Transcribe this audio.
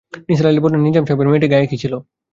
নিসার আলি বললেন, নিজাম সাহেবের মেয়েটির গায়ে কী ছিল?